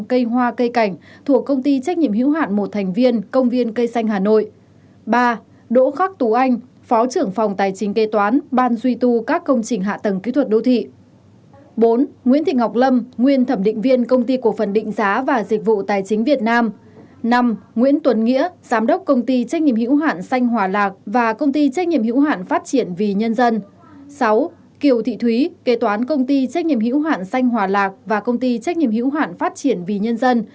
sáu kiều thị thúy kế toán công ty trách nhiệm hữu hạn xanh hòa lạc và công ty trách nhiệm hữu hạn phát triển vì nhân dân